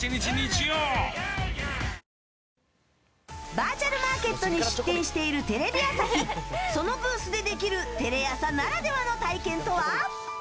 バーチャルマーケットに出展しているテレビ朝日そのブースでできるテレ朝ならではの体験とは？